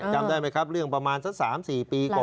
จำได้ไหมครับเรื่องประมาณสัก๓๔ปีก่อน